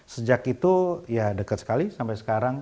sejak itu ya dekat sekali sampai sekarang